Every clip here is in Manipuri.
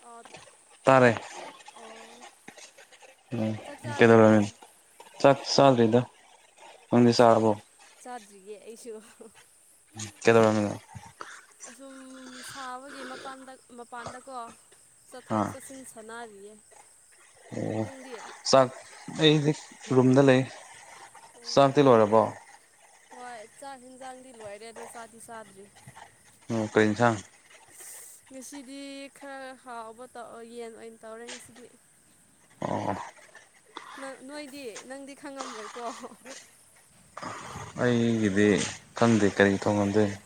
ꯑꯣ ꯇꯥꯔꯦ [inaudible] ꯎꯝ ꯆꯥꯛ ꯀꯩꯗꯧꯔꯦ ꯆꯥꯔꯕꯣ ꯆꯥꯛ ꯆꯥꯗ꯭ꯔꯤꯗ ꯅꯪꯗꯤ ꯏꯁ ꯆꯥꯔꯕꯣ [unintelligible] ꯑꯩꯁꯨ ꯀꯩꯗꯧꯔꯝꯃꯤꯅꯣ ꯁꯨꯝ ꯁꯥꯕꯒꯤ ꯃꯄꯥꯟꯗ ꯃꯄꯥꯟꯗꯀꯣ ꯆꯠꯊꯣꯛ ꯑꯥ ꯆꯠꯁꯤꯟ ꯁꯥꯟꯅꯔꯤꯌꯦ ꯑꯣ ꯅꯪꯗꯤ ꯆꯥꯛ ꯑꯩꯗꯤ ꯔꯨꯝꯗ ꯂꯩ ꯑꯣ ꯆꯥꯛꯇꯤ ꯂꯣꯏꯔꯕꯣ ꯍꯣꯏ ꯆꯥꯛ ꯍꯦꯟꯖꯥꯡꯗꯤ ꯂꯣꯏꯔꯦ ꯗꯣ ꯆꯥꯗꯤ ꯆꯥꯗ꯭ꯔꯤ ꯑꯥ ꯀ꯭ꯔꯤ ꯏꯟꯁꯥꯡ ꯉꯁꯤꯗꯤ ꯈꯔ ꯍꯥꯎꯕ ꯇꯧ ꯌꯦꯟ ꯑꯣꯏꯟ ꯇꯧꯔꯦ ꯉꯁꯤꯗꯤ ꯑꯣ ꯅꯪ ꯅꯣꯏꯗꯤ ꯅꯪꯗꯤ ꯈꯪꯉꯝꯃꯣꯏꯀꯣ ꯑꯩꯗꯤ ꯈꯪꯗꯦ ꯀꯩ ꯊꯣꯡꯉꯝꯗꯣꯏꯅꯣ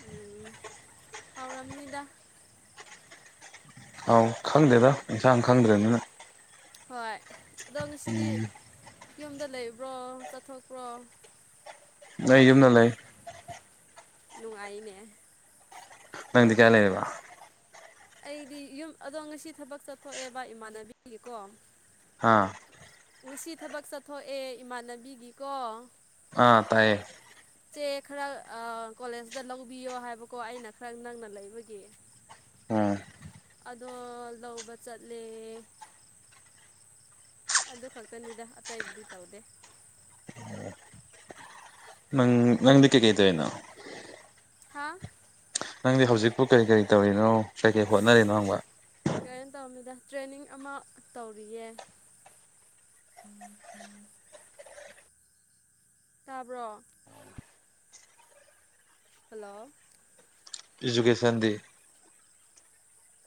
ꯎꯝ ꯍꯥꯎꯔꯝꯅꯤꯗ ꯑꯥꯎ ꯈꯪꯗꯦꯔꯥ ꯏꯟꯁꯥꯡ ꯈꯪꯗ꯭ꯔꯤꯝꯅꯤꯅ ꯍꯣꯏ ꯑꯗꯣ ꯉꯁꯤꯗꯤ ꯌꯨꯝꯗ ꯂꯩꯕ꯭ꯔꯣ ꯆꯠꯊꯣꯛꯄ꯭ꯔꯣ ꯂꯩ ꯌꯨꯝꯗ ꯂꯩ ꯅꯨꯡꯉꯥꯏꯅꯦ ꯅꯪꯗꯤ ꯀꯥꯏ ꯂꯩꯔꯤꯕ ꯑꯩꯗꯤ ꯌꯨꯝ ꯑꯗꯣ ꯉꯁꯤ ꯊꯕꯛ ꯆꯠꯊꯣꯛꯑꯦꯕ ꯏꯃꯥꯟꯅꯕꯤꯒꯤꯀꯣ ꯍꯥꯥ ꯉꯁꯤ ꯊꯕꯛ ꯆꯠꯊꯣꯛꯑꯦ ꯏꯃꯥꯟꯅꯕꯤꯒꯤꯀꯣ ꯑꯥ ꯇꯥꯏꯌꯦ ꯁꯦ ꯈꯔ ꯑꯥ ꯀꯣꯂꯦꯖꯇ ꯂꯧꯕꯤꯌꯣ ꯍꯥꯏꯕꯀꯣ ꯑꯩꯅ ꯈꯔ ꯅꯪꯅ ꯂꯩꯕꯒꯤ ꯎꯝ ꯑꯗꯣ ꯂꯧꯕꯆꯠꯂꯦ ꯑꯗꯨ ꯈꯛꯇꯅꯤꯗ ꯑꯇꯩꯕꯨꯗꯤ ꯇꯧꯗꯦ ꯅꯪ ꯅꯪꯗꯤ ꯀꯩ ꯀꯩ ꯇꯩꯅꯣ ꯍꯥꯥ ꯅꯪꯗꯤ ꯍꯧꯖꯤꯛꯄꯨ ꯀꯔꯤ ꯀꯔꯤ ꯇꯧꯔꯤꯅꯣ ꯀꯩ ꯀꯩ ꯍꯣꯠꯅꯔꯤꯅꯣ ꯍꯪꯕ ꯀꯩꯅꯣ ꯇꯧꯝꯅꯤꯗ ꯇ꯭ꯔꯦꯅꯤꯡ ꯑꯃ ꯇꯧꯔꯤꯌꯦ [unintelligible] ꯇꯥꯕ꯭ꯔꯣ ꯍꯜꯂꯣ ꯏꯖꯨꯀꯦꯁꯟꯗꯤ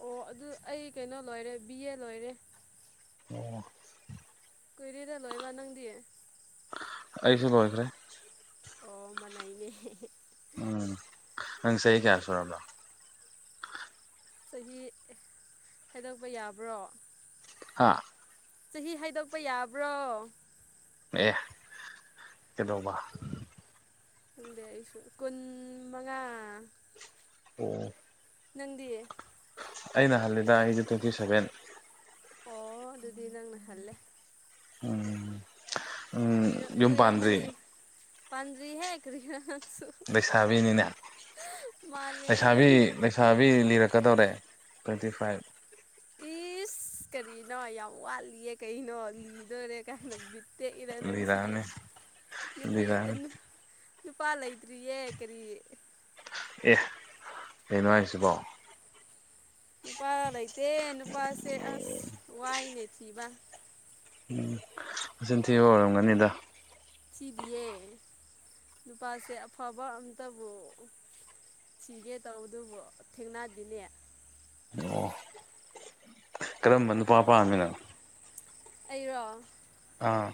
ꯑꯣ ꯑꯗꯨ ꯑꯩ ꯀꯩꯅꯣ ꯂꯣꯏꯔꯦ ꯕꯤ ꯑꯦ ꯂꯣꯏꯔꯦ ꯀꯨꯏꯔꯦꯗ ꯂꯣꯏꯕ ꯅꯪꯗꯤ ꯑꯩꯁꯨ ꯂꯣꯢꯈ꯭ꯔꯦ ꯑꯣ ꯃꯟꯅꯩꯅꯦ ꯎꯝ ꯅꯪ ꯆꯍꯤ ꯀꯌꯥꯁꯨꯔꯕ ꯆꯍꯤ ꯍꯥꯏꯗꯣꯛꯄ ꯌꯥꯕ꯭ꯔꯣ ꯍꯥ ꯆꯍꯤ ꯍꯥꯏꯗꯣꯛꯄ ꯌꯥꯕ꯭ꯔꯣ ꯑꯦ ꯀꯩꯗꯧꯕ ꯈꯪꯗꯦ ꯑꯩꯁꯨ ꯀꯨꯟ ꯃꯉꯥ ꯑꯣ ꯅꯪꯗꯤ ꯑꯩꯅ ꯍꯜꯂꯦꯗ ꯑꯩꯁꯨ ꯇ꯭ꯋꯦꯟꯇꯤ ꯁꯚꯦꯟ ꯑꯣ ꯑꯗꯨꯗꯤ ꯅꯪꯅꯍꯜꯂꯦ ꯎꯝ ꯎꯝ ꯌꯨꯝ ꯄꯥꯟꯗ꯭ꯔꯤ ꯄꯟꯗꯔꯤ ꯍꯦ ꯀꯔꯤꯔ ꯅꯪꯁꯨ ꯂꯩꯁꯥꯕꯤꯅꯤꯅꯦ ꯃꯥꯅꯦ ꯂꯩꯁꯥꯕꯤ ꯅꯪꯗꯤ ꯂꯩꯁꯥꯕꯤ ꯂꯤꯔꯛꯀꯗꯧꯔꯦ ꯇ꯭ꯋꯦꯟꯇꯤ ꯐꯥꯏꯚ ꯏꯁ ꯀꯔꯤꯅꯣ ꯌꯥꯝ ꯋꯥꯠꯂꯤꯑ ꯀꯩꯅꯣ ꯂꯤꯗꯣꯏꯔꯦ ꯀꯥꯏꯅ ꯕꯤꯠ ꯇꯦꯛꯏꯗ ꯅꯪ ꯁꯤꯗꯤ ꯂꯤꯔꯛꯑꯅꯤ ꯅꯨꯄꯤ ꯂꯤꯔꯛꯑꯅꯤ ꯅꯨꯄꯥ ꯂꯩꯇꯔꯤ ꯌꯦ ꯀꯔꯤ ꯑꯦ ꯀꯩꯅꯣ ꯍꯥꯢꯁꯤꯕꯣ ꯅꯨꯄꯥ ꯂꯩꯇꯦ ꯅꯨꯄꯥꯁꯦ ꯑꯁ ꯋꯥꯏꯅꯦ ꯊꯤꯕ ꯎꯝ ꯃꯆꯤꯟꯊꯤꯕ ꯑꯣꯏꯔꯝꯒꯅꯤꯗ ꯇꯤꯗꯤꯌꯦ ꯅꯨꯄꯥꯁꯦ ꯑꯐꯕ ꯑꯝꯇꯕꯨ ꯊꯤꯒꯦ ꯇꯧꯕ ꯑꯗꯨꯕꯨ ꯊꯦꯡꯅꯗꯤꯅꯦ ꯑꯣ ꯀꯔꯝꯕ ꯅꯨꯄꯥ ꯄꯥꯝꯃꯤꯅꯣ ꯑꯩꯔꯣ ꯑꯥ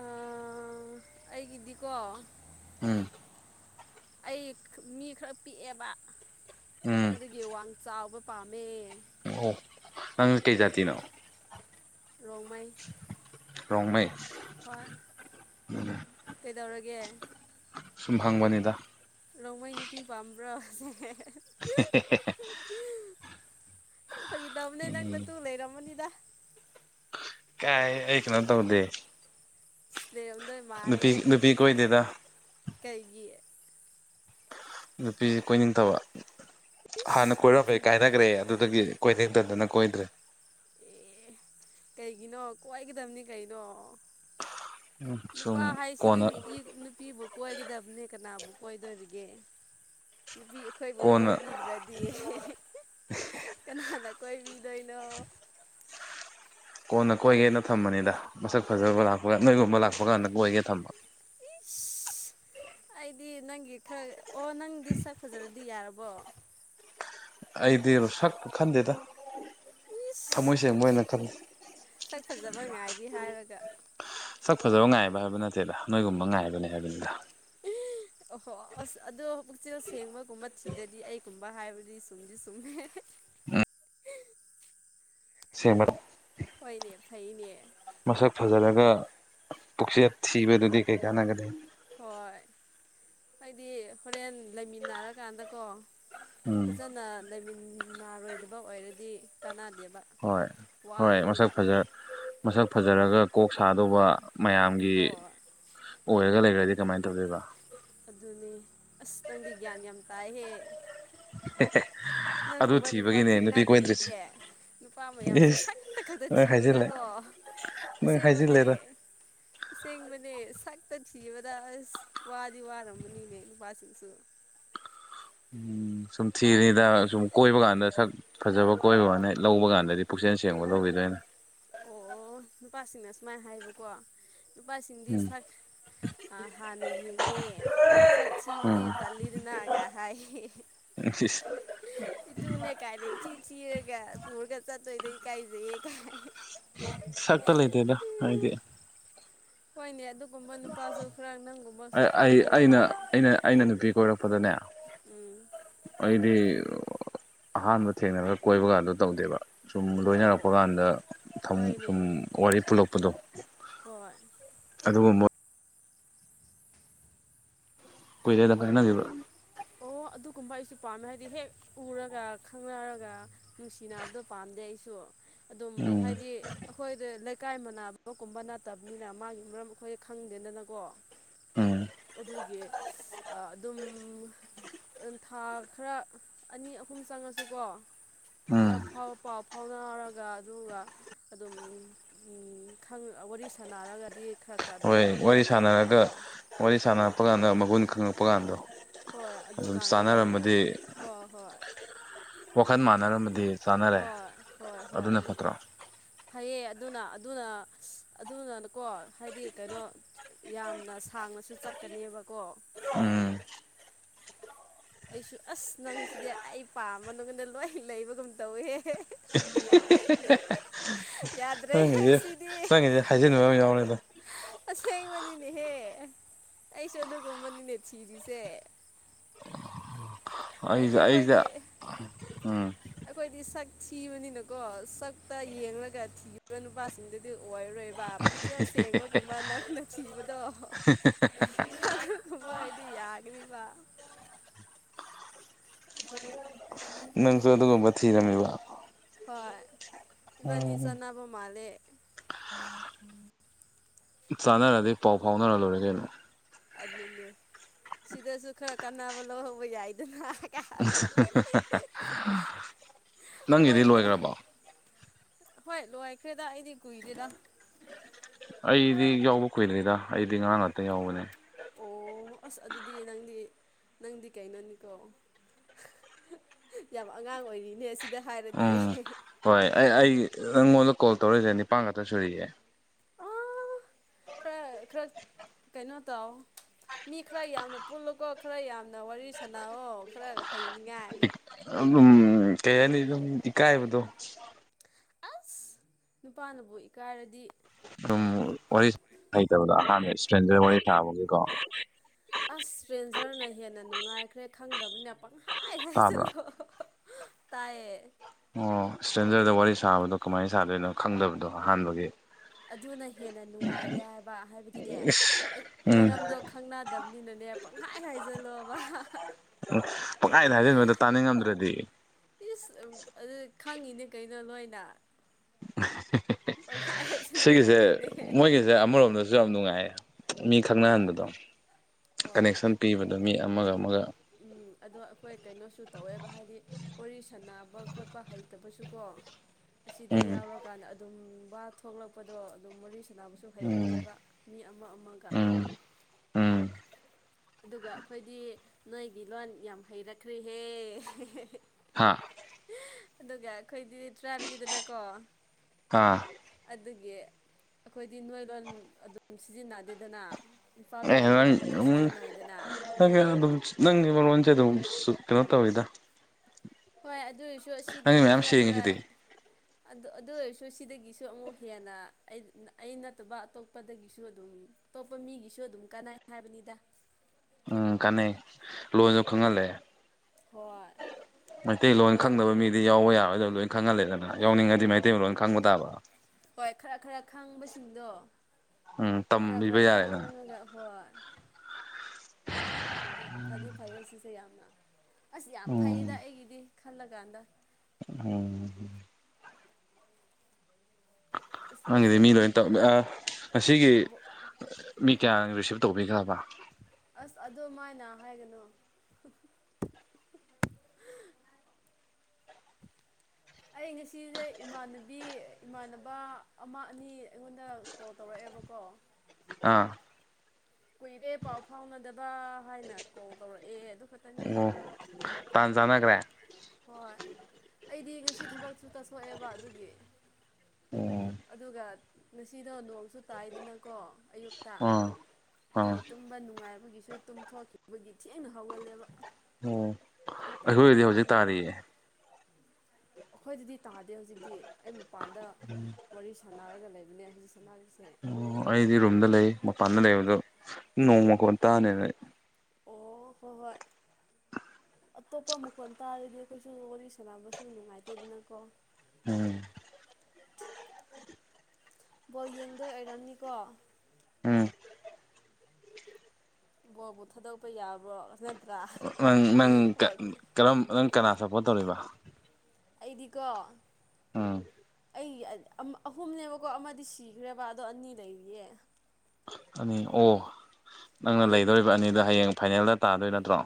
ꯑꯥ ꯑꯩꯒꯤꯗꯤꯀꯣ ꯎꯝ ꯑꯩ ꯃꯤ ꯈꯔ ꯄꯤꯛꯑꯦꯕ ꯎꯝ ꯑꯗꯨꯒꯤ ꯋꯥꯡ ꯆꯥꯎꯕ ꯄꯥꯝꯃꯦ ꯑꯣ ꯅꯪ ꯀꯩ ꯖꯥꯇꯤꯅꯣ ꯔꯣꯡꯃꯩ ꯔꯣꯡꯃꯩ ꯍꯣꯏ ꯀꯩꯗꯧꯔꯒꯦ ꯁꯨꯝ ꯍꯡꯕꯅꯤꯗ ꯂꯣꯡꯃꯩ ꯅꯨꯄꯤ ꯄꯥꯝꯕ꯭ꯔꯣ ꯁꯦꯁ ꯍꯦ ꯍꯦ ꯍꯦ ꯐꯒꯤꯗꯧꯕꯅꯦ ꯅꯪ ꯅꯇꯨ ꯂꯩꯔꯝꯃꯅꯤꯗ ꯀꯥꯏ ꯑꯩ ꯀꯩꯅꯣ ꯇꯧꯗꯦ ꯑꯁ ꯂꯩꯔꯝꯗꯣꯏ ꯃꯥꯂꯦ ꯅꯨꯄꯤ ꯅꯨꯄꯤ ꯀꯣꯏꯗꯦꯗ ꯀꯩꯒꯤ ꯅꯨꯄꯤꯁꯤ ꯀꯣꯏꯅꯤꯡꯗꯕ ꯍꯥꯟꯅ ꯏꯁ ꯀꯣꯏꯔꯝꯃꯦ ꯅꯆꯤꯟ ꯀꯥꯏꯅꯈ꯭ꯔꯦ ꯑꯗꯨꯗꯒꯤ ꯀꯣꯏꯅꯤꯡꯇꯗꯅ ꯀꯣꯏꯗ꯭ꯔꯦ ꯑꯦ ꯀꯩꯒꯤꯅꯣ ꯀꯣꯏꯒꯗꯕꯅꯤ ꯀꯩꯅꯣ ꯅꯨꯄꯥ ꯁꯨꯝ ꯍꯥꯏꯁꯤꯗꯤ ꯀꯣꯟꯅ ꯅꯨꯄꯤ ꯅꯨꯄꯤꯕꯨ ꯀꯣꯏꯒꯗꯕꯅꯦ ꯀꯅꯥꯕꯨ ꯀꯣꯏꯗꯣꯔꯤꯒꯦ ꯅꯨꯄꯤ ꯑꯩꯈꯣꯏꯕꯨ ꯀꯣꯟꯅ ꯀꯣꯏꯕꯤꯗ꯭ꯔꯗꯤ ꯍꯦꯍꯦꯍꯦ ꯀꯅꯥꯅ ꯀꯣꯏꯕꯤ ꯗꯣꯢꯅꯣ ꯀꯣꯟꯅ ꯀꯣꯏꯒꯦꯅ ꯊꯝꯕꯅꯤꯗ ꯃꯁꯛ ꯐꯖꯕ ꯂꯥꯛꯄ ꯅꯣꯏꯒꯨꯝꯕ ꯂꯥꯛꯄ ꯀꯥꯟꯗ ꯀꯣꯏꯒꯦ ꯊꯝꯕ ꯏꯁ ꯑꯩꯗꯤ ꯅꯪꯒꯤ ꯈꯔ ꯑꯣ ꯅꯪꯗꯤ ꯁꯛ ꯐꯖꯔꯗꯤ ꯌꯥꯔꯕꯣ ꯑꯩꯗꯤꯔꯣ ꯁꯛ ꯈꯟꯗꯦꯗ ꯊꯝꯃꯣꯏ ꯏꯁ ꯁꯦꯡꯕ ꯑꯣꯏꯅ ꯈꯜꯂꯤ ꯑꯗꯨꯗꯤ ꯍꯥꯏꯔꯒ ꯁꯛ ꯐꯖꯕ ꯉꯥꯏꯕ ꯍꯥꯏꯕ ꯅꯠꯇꯦꯗ ꯅꯣꯏꯒꯨꯝꯕ ꯉꯥꯏꯕꯅꯦ ꯍꯥꯏꯕꯅꯤꯗ ꯎꯝ ꯑꯣꯍꯣ ꯑꯁ ꯑꯗꯣ ꯄꯨꯛꯆꯦꯜ ꯁꯦꯡꯕꯒꯨꯝꯕ ꯊꯤꯔꯗꯤ ꯑꯩꯒꯨꯝꯕ ꯍꯥꯏꯕꯗꯤ ꯆꯨꯝꯗꯤ ꯆꯨꯝꯃꯦ ꯑꯝ [unintelligible] ꯍꯣꯏꯅꯦ ꯐꯩꯅꯦ ꯃꯁꯛ ꯐꯖꯔꯒ ꯄꯨꯛꯆꯦꯜ ꯊꯤꯕꯗꯨꯗꯤ ꯀꯩ ꯀꯥꯟꯅꯒꯅꯤ ꯍꯣꯏ ꯑꯩꯗꯤ ꯍꯣꯔꯦꯟ ꯂꯩꯃꯤꯟꯅꯔꯀꯥꯟꯗꯀꯣ ꯎꯝ ꯐꯖꯟꯅ ꯂꯩꯃꯤꯟꯅꯥꯔꯣꯏꯗꯕ ꯑꯣꯏꯔꯗꯤ ꯀꯅꯥꯗ ꯍꯣꯏ ꯍꯣꯏ ꯃꯁꯛ ꯐꯖꯔ ꯃꯁꯛ ꯐꯖꯔꯒ ꯀꯣꯛ ꯁꯥꯗꯧꯕ ꯃꯌꯥꯝꯒꯤ ꯍꯣꯏ ꯑꯣꯏꯔꯒ ꯂꯩꯒ꯭ꯔꯗꯤ ꯀꯃꯥꯏ ꯇꯧꯗꯣꯏꯕ ꯑꯗꯨꯅꯦ ꯑꯁ ꯅꯪꯗꯤ ꯒ꯭ꯌꯥꯟ ꯌꯥꯝ ꯇꯥꯏꯍꯦ ꯍꯦ ꯍꯦ ꯅꯪꯒꯨꯝꯕ ꯅꯨꯄꯥ ꯊꯦꯡꯅꯗ꯭ꯔꯤꯌꯦ ꯅꯨꯄꯥ ꯃꯌꯥꯝꯁꯦ ꯏꯁ ꯁꯛꯇ ꯈꯇ ꯅꯪ ꯍꯥꯏꯖꯤꯜꯂꯦ ꯊꯤꯕꯗꯀꯣ ꯅꯪ ꯑꯁꯦꯡꯕꯅꯦ ꯍꯥꯏꯖꯤꯜꯂꯦꯗ ꯑꯁꯦꯡꯕꯅꯦ ꯈꯛꯇ ꯊꯤꯕꯗ ꯑꯁ ꯋꯥꯗꯤ ꯋꯥꯔꯃꯅꯤꯅꯦ ꯅꯨꯄꯥꯁꯤꯡꯁꯨ [inaudible] ꯁꯨꯝ ꯊꯤꯔꯤꯗ ꯁꯨꯝ ꯀꯣꯏꯕ ꯀꯥꯟꯗ ꯁꯛ ꯐꯖꯕ ꯀꯣꯏꯕꯋꯥꯅꯤ ꯂꯧꯕ ꯀꯥꯟꯗꯗꯤ ꯄꯨꯛꯆꯦꯟ ꯁꯦꯡꯕ ꯂꯧꯒꯤꯗꯣꯏꯅꯤ ꯑꯣ ꯅꯨꯄꯥꯁꯤꯡꯅ ꯁꯨꯃꯥꯏ ꯍꯥꯏꯌꯦꯕꯀꯣ ꯅꯨꯄꯥꯁꯤꯡꯗꯤ ꯎꯝ ꯁꯛ ꯑ ꯍꯥꯟꯅ ꯌꯦꯡꯉꯦ ꯁꯛ ꯊꯤꯕꯗꯤ ꯇꯜꯂꯤꯗꯅ ꯀꯥ ꯍꯥꯏꯌꯦ ꯏꯁ ꯏꯇꯨꯅꯦ ꯀꯥꯏꯅ ꯏꯊꯤ ꯊꯤꯔꯒ ꯄꯨꯔꯒ ꯆꯠꯇꯣꯢꯗꯣ ꯏꯀꯥꯏꯖꯩꯌꯦ ꯀꯥꯏ ꯁꯛꯇ ꯂꯩꯇꯦꯗ ꯍꯥꯏꯗꯤ ꯍꯣꯏꯅꯦ ꯑꯗꯨ ꯑꯩ ꯑꯩ ꯑꯩꯅ ꯊꯣꯛꯂꯛꯎꯅꯦ ꯑꯩꯅ ꯑꯩꯅ ꯅꯨꯄꯤ ꯀꯣꯏꯔꯛꯄꯗꯅꯦ ꯎꯝ ꯑꯩꯗꯤ ꯑꯍꯥꯟꯕ ꯊꯦꯡꯅꯔꯒ ꯀꯣꯏꯕ ꯀꯥꯗꯣ ꯇꯧꯗꯦꯕ ꯁꯨꯝ ꯑꯣ ꯂꯣꯏꯅꯔꯛꯄ ꯑꯣ ꯀꯥꯟꯗ ꯊꯝ ꯍꯣꯏꯅꯦ ꯁꯨꯝ ꯋꯥꯔꯤ ꯄꯨꯂꯛꯄꯗꯣ ꯍꯣꯏ [unintelligible] ꯀꯨꯢꯔꯦꯗ ꯀꯥꯏꯅꯒꯤꯕ ꯑꯣ ꯑꯗꯨ ꯀꯨꯝꯕ ꯑꯩꯁꯨ ꯄꯥꯝꯃꯦ ꯍꯥꯏꯗꯤ ꯍꯦꯛ ꯎꯔꯒ ꯈꯪꯅꯔꯒ ꯅꯨꯡꯁꯤꯅꯕꯗꯣ ꯄꯥꯝꯗꯦ ꯑꯩꯁꯨ ꯑꯗꯨꯝ ꯎꯝ ꯍꯥꯏꯗꯤ ꯑꯈꯣꯏꯗ ꯏꯀꯥꯏ ꯃꯥꯟꯅꯕ ꯒꯨꯝꯕ ꯅꯠꯇ꯭ꯕꯅꯤꯅ ꯃꯥꯒꯤ ꯃꯔꯝ ꯑꯈꯣꯏ ꯈꯪꯗꯦꯗꯅꯀꯣ ꯎꯝ ꯑꯗꯨꯒꯤ ꯑꯥ ꯑꯗꯨꯝ ꯊꯥ ꯈꯔ ꯑꯅꯤ ꯑꯍꯨꯝ ꯆꯪꯉꯁꯨꯀꯣ ꯎꯝ ꯈꯔ ꯐꯥꯎ ꯄꯥꯎ ꯐꯥꯎꯅꯔꯒ ꯑꯗꯨꯒ ꯑꯗꯨꯝ ꯎꯝ ꯈꯪ ꯋꯥꯔꯤ ꯁꯥꯥꯟꯅꯔꯒꯗꯤ ꯈꯔ ꯈ ꯍꯣꯏ ꯋꯥꯔꯤ ꯁꯥꯟꯅꯔꯒ ꯋꯥꯔꯤ ꯁꯥꯟꯅꯔꯛꯄ ꯀꯥꯟꯗ ꯃꯒꯨꯟ ꯈꯪꯉꯛꯄ ꯀꯥꯟꯗꯣ ꯍꯣꯏ ꯑꯗꯨꯝ ꯑꯗꯨꯀꯥꯟꯗ ꯑꯣꯏꯅ ꯍꯣ ꯍꯣꯏ ꯋꯥꯈꯟ ꯃꯥꯟꯅꯔꯝꯃꯗꯤ ꯆꯥꯅꯔꯦ ꯍꯣꯏ ꯍꯣꯏ ꯍꯣꯏ ꯑꯗꯨꯅ ꯑꯗꯨꯒ ꯐꯠꯇ꯭ꯔꯣ ꯐꯩꯌꯦ ꯑꯗꯨꯅ ꯑꯗꯨꯅ ꯑꯗꯨꯅꯅꯀꯣ ꯍꯥꯏꯗꯤ ꯀꯩꯅꯣ ꯌꯥꯝꯅ ꯁꯥꯡ ꯉꯁꯨ ꯆꯠꯀꯅꯤꯕꯀꯣ ꯎꯝ ꯑꯩꯁꯨ ꯑꯁ ꯅꯪꯁꯤꯗꯤ ꯑꯩ ꯄꯥꯝꯕ ꯅꯪꯉꯣꯟꯗ ꯂꯣꯏ ꯂꯩꯕꯒꯨꯝ ꯇꯧꯋꯤꯍꯦ [unintelligible] [unintelligible] ꯅꯪꯒꯤꯖꯦ ꯁꯤꯗꯤ ꯅꯪꯒꯤꯖꯦ ꯍꯥꯏꯖꯤꯕ ꯑꯝ ꯌꯥꯎꯔꯦꯗ ꯅꯦꯍꯦ ꯑꯩꯁꯨ ꯑꯗꯨ ꯒꯨꯝꯕꯅꯤꯅꯦ ꯊꯤꯔꯤꯁꯦ ꯍꯥꯏꯗꯤ ꯑꯩꯁ ꯑꯩꯁ ꯑꯩꯈꯣꯏꯗꯤ ꯎꯝ ꯑꯩꯈꯣꯏꯗꯤ ꯁꯛ ꯊꯤꯕꯅꯤꯅꯀꯣ ꯁꯛꯇ ꯌꯦꯡꯂꯒ ꯊꯤꯕ ꯅꯨꯄꯥꯁꯤꯡꯗꯨꯗꯤ ꯑꯣꯏꯔꯔꯣꯏꯕ ꯄꯨꯛꯆꯦꯜ ꯁꯦꯡꯕꯒꯨꯝꯕ ꯅꯪꯅ ꯊꯤꯕꯗꯣ ꯑꯗꯨ ꯑꯗꯨ ꯒꯨꯝꯕ ꯑꯣꯏꯗꯤ ꯌꯥꯒꯅꯤꯕ ꯅꯪꯁꯨ ꯑꯗꯨꯒꯨꯝꯕ ꯊꯤꯔꯝꯃꯤꯕ ꯍꯣꯏ ꯏꯕꯥꯅꯤ ꯆꯅꯥꯕ ꯃꯥꯂꯦ ꯆꯥꯅꯔꯗꯤ ꯄꯥꯎ ꯐꯥꯎꯅꯔ ꯂꯣꯏꯔꯦ ꯀꯩꯅꯣ ꯑꯗꯨꯅꯦ ꯁꯤꯗꯁꯨ ꯈꯔ ꯀꯥꯟꯅꯕ ꯂꯧꯍꯧꯕ ꯌꯥꯏꯗꯅ [unintelligible] ꯅꯪꯒꯤꯗꯤ ꯃꯣꯏ ꯂꯣꯏꯈ꯭ꯔꯕꯣ ꯍꯣꯏ ꯂꯣꯏꯈ꯭ꯔꯦꯗ ꯑꯩꯗꯤ ꯀꯨꯏꯗꯦꯗ ꯑꯩꯗꯤ ꯌꯥꯎꯕ ꯀꯨꯏꯗ꯭ꯔꯤꯗ ꯑꯩꯗꯤ ꯉꯔꯥꯡ ꯉꯥꯛꯇ ꯌꯥꯎꯕꯅꯦ ꯑꯣ ꯑꯁ ꯑꯗꯨꯗꯤ ꯅꯪꯗꯤ ꯅꯪꯗꯤ ꯀꯩꯅꯣꯅꯤꯀꯣ ꯌꯥꯝ ꯑꯉꯥꯡ ꯑꯣꯏꯔꯤꯅꯦ ꯁꯤ ꯎꯝ ꯍꯣꯏ ꯑꯩ ꯑꯩ ꯅꯪꯉꯣꯟꯗ ꯀꯣꯜ ꯇꯧꯔꯛꯏꯁꯦ ꯅꯤꯄꯥꯟ ꯈꯛꯇ ꯁꯨꯔꯤꯑꯦ ꯑꯥ ꯈꯔ ꯈꯔ ꯀꯩꯅꯣ ꯇꯧ ꯃꯤ ꯈꯔ ꯌꯥꯝꯅ ꯄꯨꯜꯂꯨꯀꯣ ꯈꯔ ꯌꯥꯝꯅ ꯋꯥꯔꯤ ꯁꯥꯟꯅꯑꯣ ꯈꯔ ꯍꯩꯅꯤꯡꯉꯥꯏ ꯑꯗꯨꯝ ꯀꯩ ꯍꯥꯏꯅꯤ ꯑꯗꯨꯝ ꯏꯀꯥꯏꯕꯗꯣ ꯑꯁ ꯅꯨꯄꯥꯅꯕꯨ ꯏꯀꯥꯏꯔꯗꯤ ꯑꯗꯨꯝ ꯋꯥꯔꯤ ꯍꯩꯇꯕꯗꯣ ꯑꯍꯥꯟꯕ ꯏꯁꯇ꯭ꯔꯦꯟꯖꯔ ꯋꯥꯔꯤ ꯁꯥꯥꯕꯒꯤꯀꯣ ꯑꯁ ꯢꯁꯇꯔꯦꯟꯖꯔꯅ ꯍꯦꯟꯅ ꯅꯨꯡꯉꯥꯏꯈ꯭ꯔꯦ ꯈꯪꯗꯕꯅꯤꯅ ꯄꯪꯍꯥꯏꯗ ꯇꯥꯕ꯭ꯔꯥ ꯍꯥꯢꯒꯜꯂꯣ ꯇꯥꯌꯦ ꯑꯣ ꯏꯁꯇ꯭ꯔꯦꯟꯖꯔꯗ ꯋꯥꯔꯤ ꯁꯥꯕꯗꯣ ꯀꯃꯥꯏꯅ ꯁꯥꯗꯣꯏꯅꯣ ꯈꯪꯗꯕꯗꯣ ꯑꯍꯥꯟꯕꯒꯤ ꯑꯗꯨꯅ ꯍꯦꯟꯅ ꯅꯨꯡꯉꯥꯏꯔꯦ ꯍꯥꯏꯕ ꯍꯥꯏꯕꯗꯤꯅꯦ ꯑꯩ ꯎꯝ ꯃꯔꯝꯗꯣ ꯈꯪꯅꯗꯕꯅꯤꯅ ꯄꯪꯍꯥꯢ ꯍꯥꯢ ꯖꯦꯜꯂꯣꯕ ꯎ ꯄꯈꯥꯏꯗ ꯍꯥꯏꯖꯤꯟꯕꯗ ꯇꯥꯅꯤꯡꯉꯝꯗ꯭ꯔꯗꯤ ꯏꯁ ꯑꯗꯨ ꯈꯪꯉꯤꯅꯦ ꯀꯩꯅꯣ ꯂꯣꯏꯅ ꯄꯪꯍꯥꯏ ꯍꯥꯏꯖꯤꯟꯕ ꯁꯤꯒꯤꯁꯦ ꯉꯥꯛꯇꯅꯦ ꯃꯣꯏꯒꯤꯁꯦ ꯑꯃꯔꯣꯝꯗꯁꯨ ꯌꯥꯝ ꯅꯨꯡꯉꯥꯏꯌꯦ ꯃꯤ ꯍꯣꯏ ꯈꯪꯅꯍꯟꯕꯗꯣ ꯍꯣꯏ ꯀꯅꯦꯛꯁꯟ ꯄꯤꯕꯗꯣ ꯃꯤ ꯑꯃꯒ ꯑꯃꯒ ꯎꯝ ꯑꯗꯣ ꯑꯩꯈꯣꯏ ꯀꯩꯅꯣꯁꯨ ꯇꯧꯋꯦꯕ ꯍꯥꯏꯗꯤ ꯋꯥꯔꯤ ꯁꯥꯟꯅꯕ ꯈꯣꯠꯄ ꯍꯩꯇꯕꯁꯨꯀꯣ ꯑꯁꯤꯗ ꯎꯝ ꯌꯥꯎꯔ ꯀꯥꯟꯗ ꯑꯗꯨꯝ ꯋꯥ ꯊꯣꯛꯂꯛꯄꯗꯣ ꯑꯗꯨꯝ ꯋꯔꯤ ꯁꯅꯕꯁꯨ ꯎꯝ ꯍꯩꯍꯜꯂꯦꯕ ꯃꯤ ꯑꯃ ꯑꯃꯒ ꯎꯝ ꯎꯝ ꯑꯗꯨꯒ ꯑꯩꯈꯣꯏꯗꯤ ꯅꯣꯏꯒꯤ ꯂꯣꯟ ꯌꯥꯝ ꯍꯩꯔꯛꯈ꯭ꯔꯦꯍꯦ ꯍꯥ ꯑꯗꯨꯒ ꯑꯩꯈꯣꯏꯗꯤ ꯇ꯭ꯔꯥꯕꯅꯤꯗꯅꯀꯣ ꯀꯥ ꯑꯗꯨꯒꯤ ꯑꯩꯈꯣꯏꯗꯤ ꯅꯣꯏ ꯂꯣꯟ ꯑꯗꯨꯝ ꯁꯤꯖꯤꯟꯅꯗꯦꯗꯅ ꯏꯝꯐꯥꯜꯗ ꯂꯩꯕꯗ ꯈꯛꯇꯗ ꯎꯝ ꯅꯪ ꯑꯗꯨꯝ ꯅꯪꯒꯤ ꯃꯔꯣꯟꯁꯦ ꯑꯗꯨꯝ ꯀꯩꯅꯣ ꯇꯧꯋꯤꯗ ꯍꯣꯏ ꯑꯗꯨꯑꯣꯏꯁꯨ ꯅꯪꯒꯤ ꯑꯁꯤꯗꯒꯤ ꯃꯌꯥꯝ ꯈꯔ ꯈꯔ ꯁꯦꯡꯉꯤꯁꯤꯗꯤ ꯑꯗꯨ ꯑꯗꯨ ꯑꯣꯏꯔꯁꯨ ꯁꯤꯗꯒꯤꯁꯨ ꯑꯃꯨꯛ ꯍꯦꯟꯅ ꯑꯩ ꯑꯩ ꯅꯠꯇꯕ ꯑꯇꯣꯞꯄꯗꯒꯤꯁꯨ ꯑꯗꯨꯝ ꯑꯇꯣꯞꯄ ꯃꯤꯒꯤꯁꯨ ꯑꯗꯨꯝ ꯀꯥꯟꯅꯩ ꯍꯥꯏꯕꯅꯤꯗ ꯎꯝ ꯀꯥꯟꯅꯩ ꯂꯣꯟꯁꯨ ꯈꯪꯍꯜꯂꯦ ꯍꯣꯏ ꯃꯩꯇꯩꯂꯣꯟ ꯉꯥꯡ ꯈꯪꯗꯕ ꯃꯤꯗꯤ ꯌꯥꯎꯕ ꯌꯥꯔꯣꯏꯗꯕꯅꯤ ꯈꯪꯍꯜꯂꯦꯗꯅ ꯌꯥꯎꯅꯤꯡꯉꯗꯤ ꯍꯣꯏ ꯃꯩꯇꯩꯂꯣꯟ ꯈꯪꯕ ꯇꯥꯕ ꯍꯣꯏ ꯈꯔ ꯈꯔ ꯈꯪꯕꯁꯤꯡꯗꯣ ꯎꯝ ꯈꯔ ꯇꯝꯕꯤꯕ ꯈꯔ ꯌꯥꯔꯦꯗꯅ ꯈꯪꯉꯒ ꯍꯣꯏ ꯑꯗꯨ ꯐꯗꯤ ꯐꯩꯌꯦ ꯁꯤꯁꯦ ꯌꯥꯝꯅ ꯑꯁ ꯌꯥꯝ ꯐꯩꯌꯦꯗ ꯑꯩꯒꯤꯗꯤ ꯈꯜꯂꯀꯥꯟꯗ ꯎꯝ ꯑꯁ ꯉꯁꯤ ꯍꯪꯉꯤꯗꯤ ꯃꯤ ꯅꯪ ꯂꯣꯏꯅ ꯇꯧ ꯑꯥꯉꯁꯤꯒꯤ ꯃꯤ ꯀꯌꯥ ꯔꯤꯁꯤꯞ ꯇꯧꯕꯤꯈ꯭ꯔꯕ ꯑꯁ ꯑꯗꯨꯃꯥꯏꯅ ꯍꯥꯏꯒꯅꯨ [inaudible] ꯑꯩ ꯉꯁꯤꯁꯦ ꯏꯃꯥꯟꯅꯕꯤ ꯏꯃꯥꯟꯅꯕ ꯑꯃ ꯑꯅꯤ ꯑꯩꯉꯣꯟꯗ ꯀꯣꯜ ꯇꯧꯔꯛꯑꯦ ꯑꯦꯕꯀꯣ ꯑꯥ ꯀꯨꯏꯔꯦ ꯄꯥꯎ ꯐꯥꯎꯅꯗꯕ ꯍꯥꯏꯅ ꯀꯣꯜ ꯇꯧꯔꯛꯑꯦ ꯑꯗꯨ ꯈꯛꯇꯅꯤꯗ ꯇꯧꯔꯛꯑꯦ ꯍꯣꯏ ꯑꯩꯗꯤ ꯉꯁꯤ ꯊꯕꯛꯁꯨ ꯆꯠꯊꯣꯛꯑꯦꯕ ꯑꯗꯨꯒꯤ ꯑꯥ ꯑꯗꯨꯒ ꯉꯁꯤꯗꯣ ꯅꯣꯡ ꯇꯥꯏꯗꯅꯀꯣ ꯑꯌꯨꯛꯇ ꯑꯥ ꯑꯗꯨꯒꯤ ꯇꯨꯝꯕ ꯅꯨꯡꯉꯥꯏꯕ ꯃꯣꯏꯒꯤꯁꯨ ꯇꯨꯝꯊꯣꯛꯈꯤꯕꯒꯤ ꯊꯦꯡꯅ ꯍꯧꯒꯠꯂꯦꯕ ꯑꯣ ꯃꯇꯝ ꯂꯣꯏ ꯑꯩꯈꯣꯏꯒꯤꯗꯤ ꯍꯧꯖꯤꯛ ꯃꯥꯡꯍꯜꯂꯦ ꯇꯥꯔꯤꯌꯦ ꯑꯩꯈꯣꯏꯗꯗꯤ ꯇꯥꯗꯦ ꯍꯧꯖꯤꯛꯇꯤ ꯑꯩ ꯃꯄꯥꯟꯗ ꯋꯥꯔꯤ ꯁꯥꯟ ꯅꯔꯒ ꯂꯩꯕꯅꯦ ꯍꯧꯖꯤꯛꯁ ꯑꯣ ꯑꯩꯗꯤ ꯔꯨꯝꯗ ꯂꯩ ꯃꯄꯥꯟꯗ ꯂꯩꯕꯗꯣ ꯅꯣꯡ ꯃꯈꯣꯟ ꯇꯥꯅꯦꯅ ꯑꯣ ꯍꯣꯏ ꯍꯣꯏ ꯑꯇꯣꯞꯄ ꯃꯈꯣꯟ ꯇꯥꯔꯗꯤ ꯑꯩꯈꯣꯏꯁꯨ ꯋꯥꯔꯤ ꯁꯅꯕꯁꯨ ꯅꯨꯡꯉꯥꯏꯇꯦꯗꯅꯀꯣ ꯎꯝ ꯕꯣꯜ ꯌꯦꯡꯗꯣꯏ ꯑꯣꯏꯔꯝꯅꯤꯀꯣ ꯑꯝ ꯕꯣꯜꯕꯨ ꯊꯥꯗꯣꯛꯄ ꯌꯥꯕ꯭ꯔꯣ ꯅꯠꯇ꯭ꯔꯥ ꯅꯪ ꯅꯪ ꯀꯔꯝ ꯅꯪ ꯀꯅꯥ ꯁꯞꯄꯣꯔꯠ ꯇꯧꯔꯤꯕ ꯑꯩꯗꯤꯀꯣ ꯑꯎꯝ ꯑꯩꯒꯤ ꯑꯍꯨꯝꯅꯦꯕꯀꯣ ꯑꯃꯗꯤ ꯁꯤꯈ꯭ꯔꯦꯕ ꯑꯗꯣ ꯑꯅꯤ ꯂꯩꯔꯤꯌꯦ ꯑꯅꯤ ꯑꯣ ꯅꯪꯅ ꯑꯩ ꯂꯩꯗꯧꯔꯤꯕ ꯑꯅꯤꯗꯣ ꯍꯌꯦꯡ ꯐꯥꯏꯅꯦꯜꯗ ꯇꯥꯗꯣꯏꯕ ꯅꯠꯇ꯭ꯔꯣ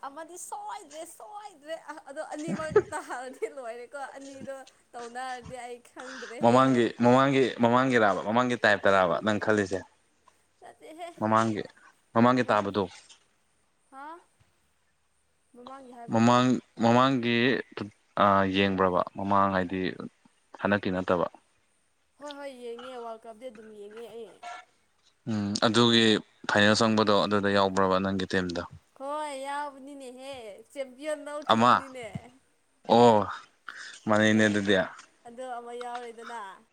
ꯑꯃꯗꯤ ꯁꯣꯏꯗ꯭ꯔꯦ ꯁꯣꯏꯗ꯭ꯔꯦ ꯑꯗꯣ ꯑꯅꯤꯃꯛ ꯇꯥꯗꯤ ꯂꯣꯏꯔꯦꯀꯣ ꯑꯅꯤꯗꯣ ꯇꯧꯅꯔꯗꯤ ꯑꯩ ꯈꯪꯗ꯭ꯔꯦꯍꯦ ꯃꯃꯥꯡꯒꯤ ꯃꯃꯥꯡꯒꯤ ꯃꯃꯥꯡꯒꯤꯔꯥꯕ ꯃꯃꯥꯡꯒꯤ ꯇꯥꯏꯞꯇꯔꯥꯕ ꯅꯪ ꯈꯜꯂꯤꯁꯦ ꯅꯠꯇꯦꯍꯦ ꯃꯃꯥꯡꯒꯤ ꯃꯃꯥꯡꯒꯤ ꯇꯥꯕꯗꯣ ꯍꯥ ꯃꯃꯥꯡꯒꯤ ꯍꯥꯏꯕꯗꯤ ꯃꯃꯥꯡ ꯃꯃꯥꯡꯒꯤ ꯌꯦꯡꯕ꯭ꯔꯕ ꯃꯃꯥꯡ ꯍꯥꯏꯗꯤ ꯍꯟꯗꯛꯀꯤ ꯅꯠꯇꯕ ꯍꯣꯏ ꯍꯣꯏ ꯌꯦꯡꯉꯦ ꯋꯥꯔꯜ ꯀꯞꯗꯤ ꯑꯗꯨꯝ ꯌꯦꯡꯉꯦ ꯑꯩ ꯎꯝ ꯑꯗꯨꯒꯤ ꯐꯥꯏꯅꯦꯜ ꯆꯪꯕꯗꯣ ꯑꯗꯨꯗ ꯌꯥꯎꯕ꯭ꯔꯕ ꯅꯪꯒꯤ ꯇꯤꯝꯗꯣ ꯍꯣꯏ ꯌꯥꯎꯕꯅꯤꯅꯦꯍꯦ ꯆꯦꯝꯄꯤꯌꯟ ꯑꯃ ꯂꯧꯈꯤꯕꯅꯤꯅꯦ ꯑꯣ ꯃꯥꯟꯅꯩꯅꯦ ꯑꯗꯨꯗꯤ ꯑꯗ ꯑꯃ ꯌꯥꯎꯔꯦꯗꯅ